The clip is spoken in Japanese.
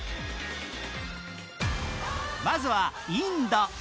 まずはインド。